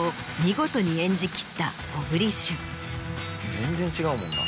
全然違うもんな。